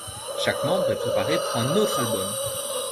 Chaque membre est préparé pour un autre album.